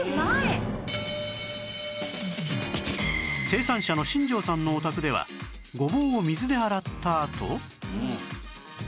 生産者の新城さんのお宅ではごぼうを水で洗ったあと